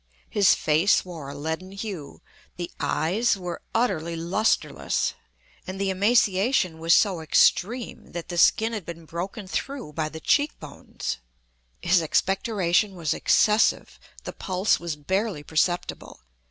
His face wore a leaden hue; the eyes were utterly lustreless; and the emaciation was so extreme that the skin had been broken through by the cheek bones. His expectoration was excessive. The pulse was barely perceptible.